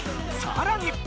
さらに。